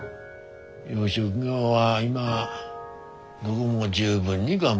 養殖業は今どごも十分に頑張ってる。